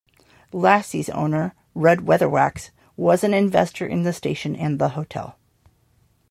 Lassie's owner, Rudd Weatherwax was an investor in the station and the hotel.